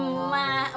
kau dia nongol